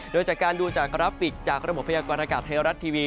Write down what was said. โดยจากการดูจากกราฟิกจากระบบพยากรณากาศไทยรัฐทีวี